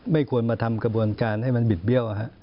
ไม่ควรมาทำกระบวนการให้มันบิดเบี้ยว